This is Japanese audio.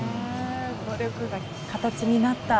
努力が形になった。